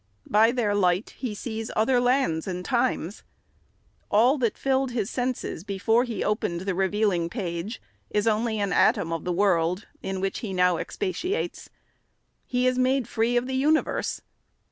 By their light he sees other lands and times. All that filled his senses before he opened the revealing page is only an atom of the world, in which he now expatiates. He is made free of the universe.